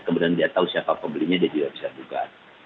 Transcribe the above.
kemudian dia tahu siapa pembelinya dia juga bisa buka